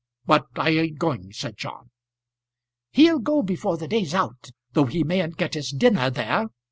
"But I ain't going," said John. "He'll go before the day's out, though he mayn't get his dinner there.